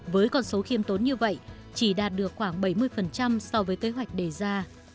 với con số khiêm tốn như vậy chỉ đạt được khoảng bảy mươi so với kế hoạch đề ra